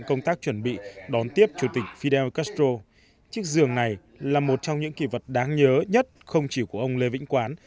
cái giường này là một trong những kỳ vật đáng nhớ nhất không chỉ của ông lê vĩnh quán